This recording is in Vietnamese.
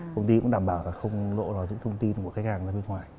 công ty cũng đảm bảo là không lộ ra những thông tin của khách hàng ra bên ngoài